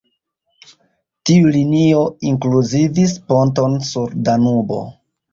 Tiu linio inkluzivis ponton sur Danubo.